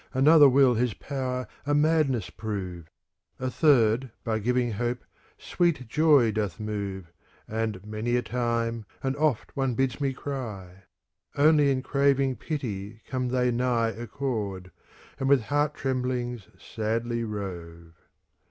Another will his power a madness prove; A third, by giving hope, sweet joy doth move, ' And many a time and oft one bids me cry; Only in craving pity come they nigh Accord, and with heart tremblings sadly rove.